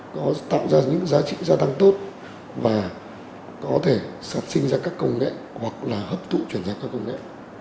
có tạo ra những giá trị gia tăng tốt và có thể sản sinh ra các công nghệ hoặc là hấp thụ chuyển giao các công nghệ